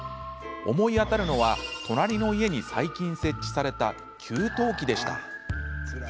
思い当たるのは、隣の家に最近設置された給湯器でした。